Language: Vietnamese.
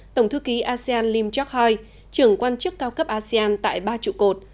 tổng thư ký asean lim chok hoi trưởng quan chức cao cấp asean tại ba trụ cột